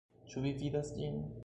Ĉu vi vidas ĝin?